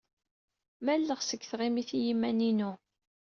Malleɣ seg tɣimit i yiman-inu.